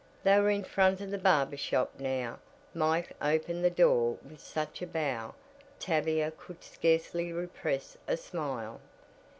They were in front of the barber shop now. Mike opened the door with such a bow Tavia could scarcely repress a smile.